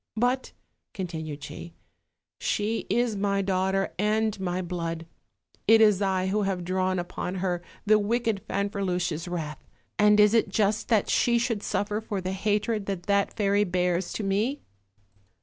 But," continued she, "she is my daughter and my blood: it is I who have drawn upon her the wicked Fanferluche'"s wrath, and is it just that she should suffer for the hatred that that fairy bears to me?"